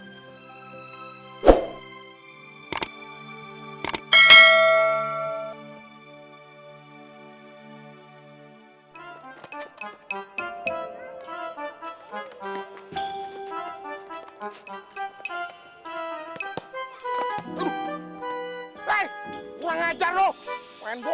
lo udah ngajarowana